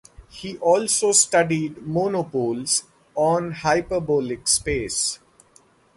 He also studied monopoles on hyperbolic space.